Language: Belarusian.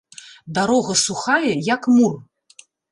Дарога сухая, як мур.